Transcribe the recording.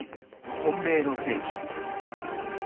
「混迷の世紀」。